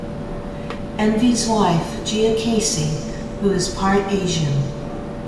Envy's wife, Gia Casey, who is part Asian.